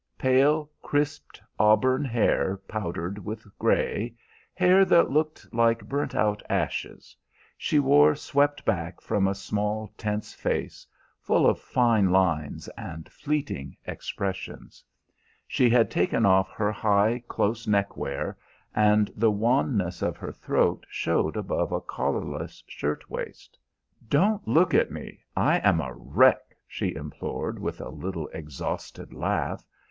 Pale, crisped auburn hair powdered with gray, hair that looked like burnt out ashes, she wore swept back from a small, tense face, full of fine lines and fleeting expressions. She had taken off her high, close neckwear, and the wanness of her throat showed above a collarless shirt waist. "Don't look at me; I am a wreck!" she implored, with a little exhausted laugh.